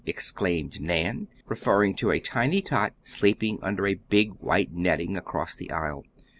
exclaimed Nan, referring to a tiny tot sleeping under a big white netting, across the aisle.